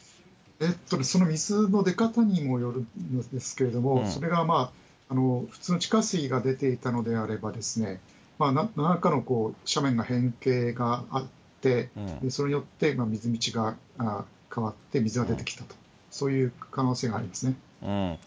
その水の出方にもよるんですけれども、それが普通の地下水が出ていたのであれば、なんらかの斜面の変形があって、それによって水の位置が変わって水が出てきたと、そういう可能性がありますね。